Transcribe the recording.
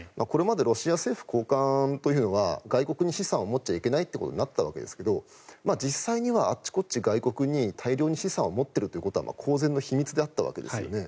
これまでロシア政府高官というのは外国に資産を持っちゃいけないということになっているわけですがあっちこっち外国に大量に資産を持っていることは公然の秘密であったわけです。